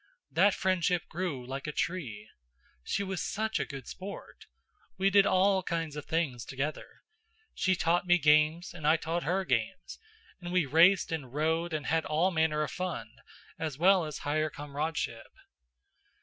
That friendship grew like a tree. She was such a good sport! We did all kinds of things together. She taught me games and I taught her games, and we raced and rowed and had all manner of fun, as well as higher comradeship.